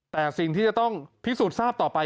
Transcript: แต่สิ่งที่จะต้องพิสูจน์ทราบต่อไป